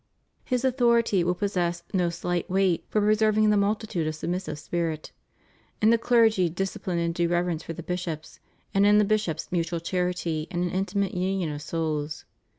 329 His authority will possess no slight weight for preserving in the multitude a submissive spirit; in the clergy dis cipline and due reverence for the bishops, and in the bishops mutual charity and an intimate union of souls.